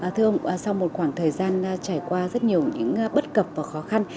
thưa ông sau một khoảng thời gian trải qua rất nhiều những bất cập và khó khăn